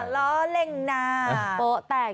ล้อเล่นนะ